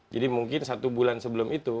jadi mungkin satu bulan sebelum itu